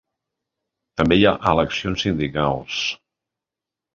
També hi ha eleccions sindicals.